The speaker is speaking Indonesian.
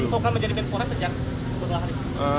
kok kamu jadi pen puas sejak